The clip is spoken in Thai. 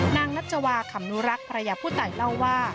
นางนัชวาขำนุรักษ์ภรรยาผู้ตายเล่าว่า